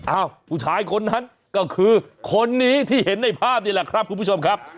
ผู้ชายคนนั้นก็คือคนนี้ที่เห็นในภาพนี่แหละครับคุณผู้ชมครับ